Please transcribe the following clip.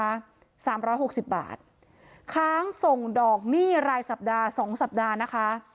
สามร้อยหกสิบบาทค้างส่งดอกหนี้รายสัปดาห์สองสัปดาห์นะคะ